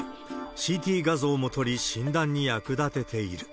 ＣＴ画像も撮り、診断に役立てている。